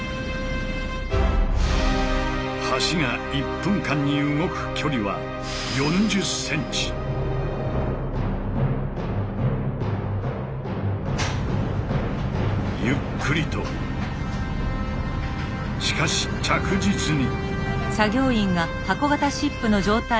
橋が１分間に動く距離はゆっくりとしかし着実に。